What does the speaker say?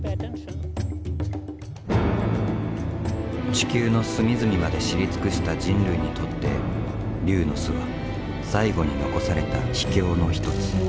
地球の隅々まで知り尽くした人類にとって龍の巣は最後に残された秘境の一つ。